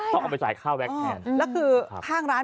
ต้องเอาไปส่ายค่าแว็กซ์แทน